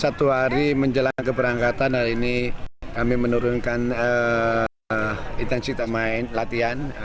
satu hari menjelang keberangkatan hari ini kami menurunkan intensitas latihan